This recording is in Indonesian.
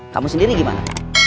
kamu sendiri gimana